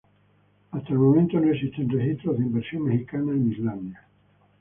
Hasta el momento no existen registros de inversión mexicana en Islandia.